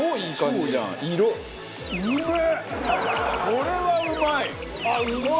これはうまいわ！